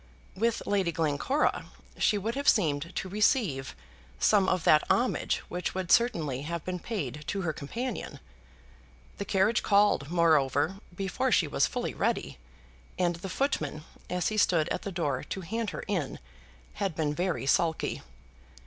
With Lady Glencora she would have seemed to receive some of that homage which would certainly have been paid to her companion. The carriage called, moreover, before she was fully ready, and the footman, as he stood at the door to hand her in, had been very sulky.